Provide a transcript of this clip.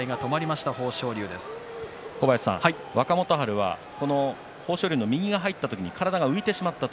若元春は豊昇龍の右が入った時に体が浮いてしまった。